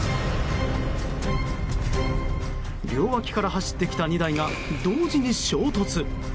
両脇から走ってきた２台が同時に衝突！